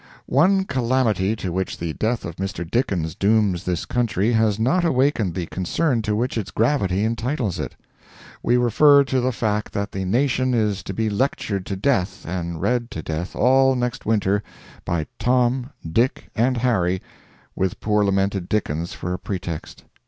One calamity to which the death of Mr. Dickens dooms this country has not awakened the concern to which its gravity entitles it. We refer to the fact that the nation is to be lectured to death and read to death all next winter, by Tom, Dick, and Harry, with poor lamented Dickens for a pretext.